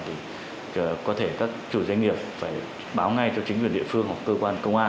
thì có thể các chủ doanh nghiệp phải báo ngay cho chính quyền địa phương hoặc cơ quan công an